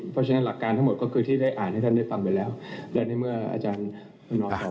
เพราะฉะนั้นหลักการทั้งหมดก็คือที่ได้อ่านให้ท่านได้ฟังไปแล้ว